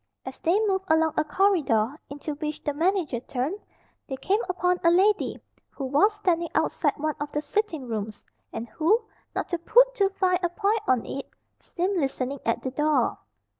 As they moved along a corridor, into which the manager turned, they came upon a lady who was standing outside one of the sitting rooms, and who, not to put too fine a point on it, seemed listening at the door.